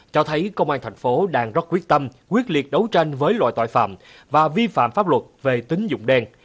cho thấy công an tp hcm đang rất quyết tâm quyết liệt đấu tranh với loại tội phạm và vi phạm pháp luật về tín dụng đen